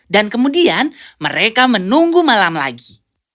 dan kemudian mereka menunggu malam lagi